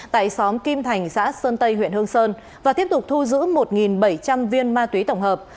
tại xóm kim thành xã sơn tây huyện hương sơn và tiếp tục thu giữ một bảy trăm linh viên ma túy tổng hợp